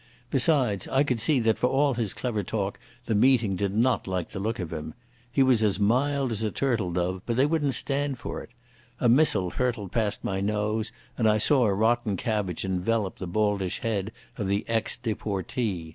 Besides, I could see that for all his clever talk the meeting did not like the look of him. He was as mild as a turtle dove, but they wouldn't stand for it. A missile hurtled past my nose, and I saw a rotten cabbage envelop the baldish head of the ex deportee.